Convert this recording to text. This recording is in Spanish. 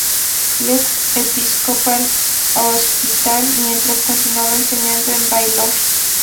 Luke's Episcopal Hospital mientras continuaba enseñando en Baylor.